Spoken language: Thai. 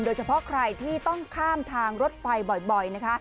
โดยเฉพาะใครที่ต้องข้ามทางรถไฟบ่อยนะคะ